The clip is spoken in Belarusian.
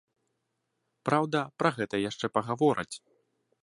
Праўда, пра гэта яшчэ пагавораць.